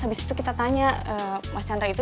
habis itu kita tanya mas chandra itu